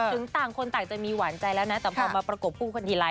ถึงต่างคนต่างจะมีหวานใจแล้วนะแต่พอมาประกบคู่กันทีไร